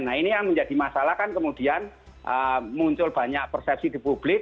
nah ini yang menjadi masalah kan kemudian muncul banyak persepsi di publik